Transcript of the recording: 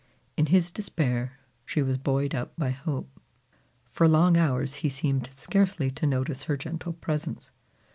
In his despair, she was buoyed up by hope. For long hours he seemed scarcely to notice her gentle presence.